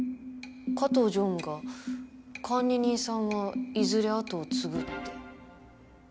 加藤常務が管理人さんはいずれ後を継ぐって。